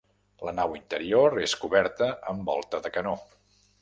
La nau interior és coberta amb volta de canó.